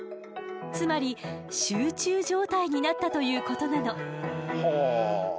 つまり集中状態になったということなの。